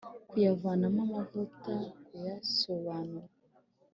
kuyavanamo amavuta kuyasobanura